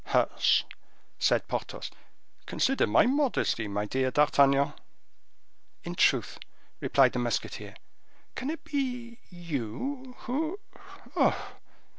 "Hush!" said Porthos; "consider my modesty, my dear D'Artagnan." "In truth," replied the musketeer, "can it be you—who—oh!"